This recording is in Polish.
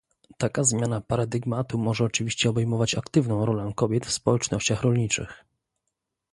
Taka zmiana paradygmatu może oczywiście obejmować aktywną rolę kobiet w społecznościach rolniczych